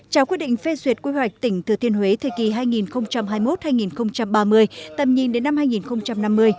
trao quyết định phê duyệt quy hoạch tỉnh thừa thiên huế thời kỳ hai nghìn hai mươi một hai nghìn ba mươi tầm nhìn đến năm hai nghìn năm mươi